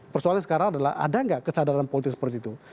persoalannya sekarang adalah ada nggak kesadaran politik seperti itu